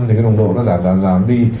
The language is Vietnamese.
thì cái nồng độ nó giảm giảm đi